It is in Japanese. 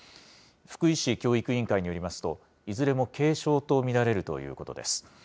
福井市教育委員会によりますと、いずれも軽症と見られるということです。